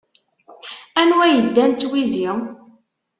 Anwa yeddan d twizi?